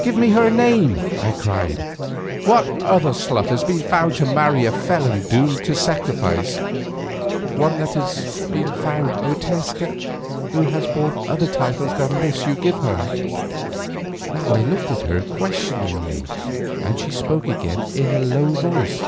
"Give me her name," I cried. "What other slut has been found to marry a felon doomed to sacrifice?" "One has been found, O Tezcat, who has borne other titles than this you give her." Now I looked at her questioningly, and she spoke again in a low voice.